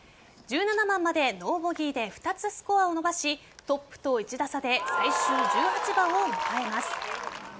１７番までノーボギーで２つスコアを伸ばしトップと１打差で最終１８番を迎えます。